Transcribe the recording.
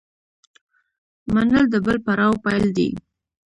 منل د بل پړاو پیل دی.